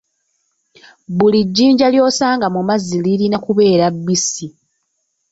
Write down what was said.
Buli jjinja ly'osanga mu mazzi lirina kubeera bbisi.